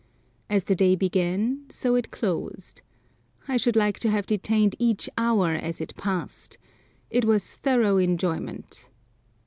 As the day began, so it closed. I should like to have detained each hour as it passed. It was thorough enjoyment.